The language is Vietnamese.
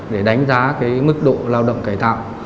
để đánh giá mức độ lao động cải tạo